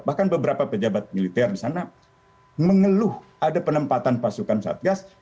bahkan beberapa pejabat militer di sana mengeluh ada penempatan pasukan satgas